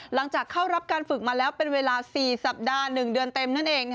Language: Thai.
หลังจากเข้ารับการฝึกมาแล้วเป็นเวลา๔สัปดาห์๑เดือนเต็มนั่นเอง